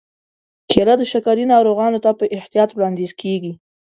کېله د شکرې ناروغانو ته په احتیاط وړاندیز کېږي.